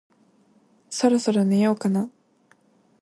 そろそろ寝ようかな